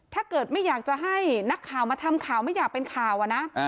ถ้าเกิดไม่อยากจะให้นักข่าวมาทำข่าวไม่อยากเป็นข่าวอะนะ